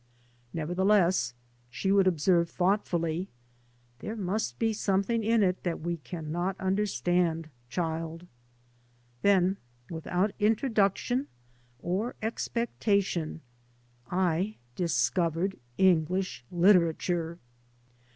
*' Nevertheless," she would observe thoughtfully, " there must be some thing in it that we cannot understand, childie." Then, without introduction or expectation, I discovered English literature.